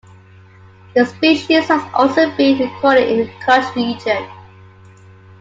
The species has also been recorded in the Kutch region.